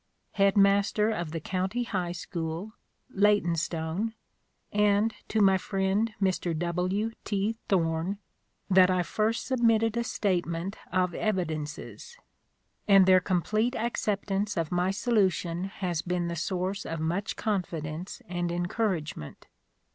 Head Master of the County High School, Leytonstone, and to my friend Mr. W. T. Thorn that I first sub mitted a statement of evidences ; and their complete acceptance of my solution has been the source of much confidence and encouragement.